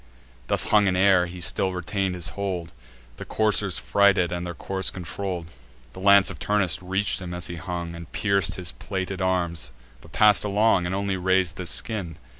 Thus hung in air, he still retain'd his hold, The coursers frighted, and their course controll'd. The lance of Turnus reach'd him as he hung, And pierc'd his plated arms, but pass'd along, And only raz'd the skin.